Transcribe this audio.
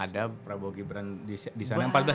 ada prabowo gibran disana